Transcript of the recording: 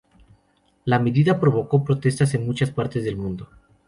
La medida provocó protestas en muchas partes del mundo.